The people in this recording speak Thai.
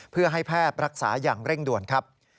เพื่อให้แพทย์รักษาอย่างเร่งด่วนครับ